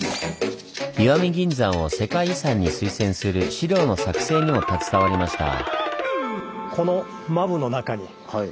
石見銀山を世界遺産に推薦する資料の作成にも携わりました。